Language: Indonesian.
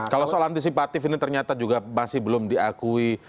kalau soal antisipatif ini ternyata juga masih belum diakui